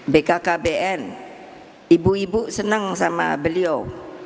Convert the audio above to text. bkkbn ibu ibu seneng sama beliau